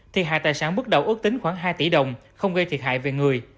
thiệt hại tài sản bước đầu ước tính khoảng hai tỷ đồng không gây thiệt hại về người